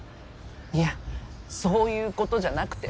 いやそういう事じゃなくて。